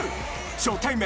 初対面